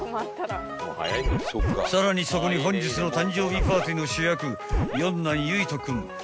［さらにそこに本日の誕生日パーティーの主役四男結人君